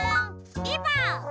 リボン！